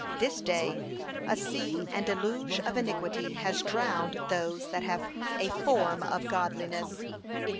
p. 535. 'This day, a sea and deluge of iniquity has drowned those that have a form of godliness.